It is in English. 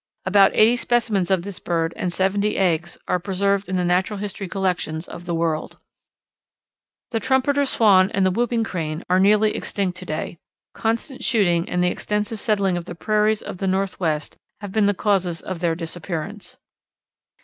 About eighty specimens of this bird, and seventy eggs, are preserved in the Natural History collections of the world. [Illustration: The Great Auk, Another Extinct Bird] The Trumpeter Swan and the Whooping Crane are nearly extinct to day. Constant shooting and the extensive settling of the prairies of the Northwest have been the causes of their disappearance.